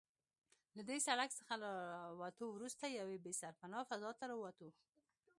له دې سړک څخه له وتو وروسته یوې بې سرپنا فضا ته راووتو.